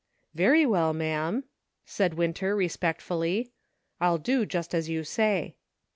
"Very well, ma'am," said Winter respectfully. "I'll do just as you say."